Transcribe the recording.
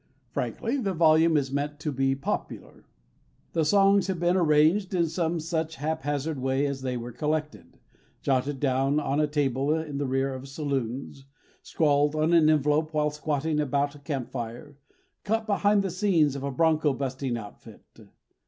Frankly, the volume is meant to be popular. The songs have been arranged in some such haphazard way as they were collected, jotted down on a table in the rear of saloons, scrawled on an envelope while squatting about a campfire, caught behind the scenes of a broncho busting outfit.